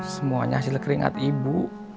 semuanya hasil keringat ibu